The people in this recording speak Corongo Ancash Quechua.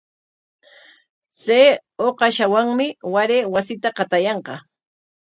Chay uqashawanmi waray wasita qatayanqa.